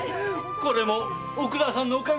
これもおくらさんのお陰です。